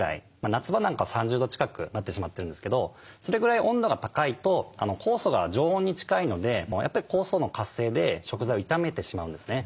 夏場なんか３０度近くなってしまってるんですけどそれぐらい温度が高いと酵素が常温に近いのでやっぱり酵素の活性で食材を傷めてしまうんですね。